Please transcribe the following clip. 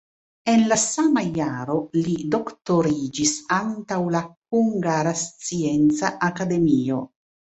En la sama jaro li doktoriĝis antaŭ la Hungara Scienca Akademio.